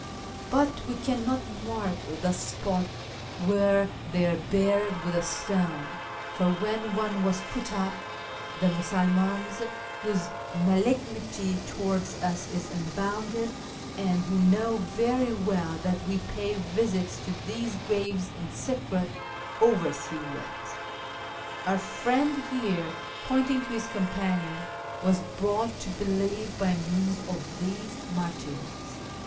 But we cannot mark the spot where they are buried with a stone, for when one was put up, the Musulmans, whose malignity towards us is unbounded, and who know very well that we pay visits to these graves in secret, overthrew it. Our friend liere " (pointing to his companion) " was brought to believe by means of these martyrs.